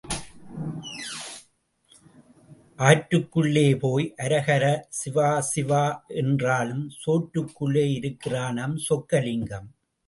ஆற்றுக்குள்ளே போய் அரஹரா சிவசிவா என்றாலும் சோற்றுக்குள்ளே இருக்கிறானாம் சொக்கலிங்கம்.